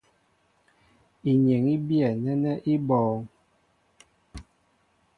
Inyeŋ í biyɛ nɛ́nɛ́ í bɔ̄ɔ̄ŋ.